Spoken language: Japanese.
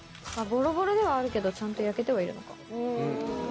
ぼろぼろではあるけど、ちゃんと焼けてはいるのか。